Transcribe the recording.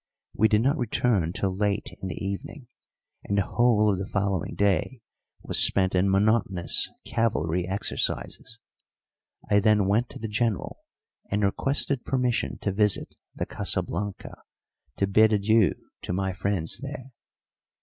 We did not return till late in the evening, and the whole of the following day was spent in monotonous cavalry exercises. I then went to the General and requested permission to visit the Casa Blanca to bid adieu to my friends there.